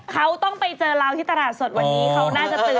เขาต้องไปเจอเราที่ตราสดวันนี้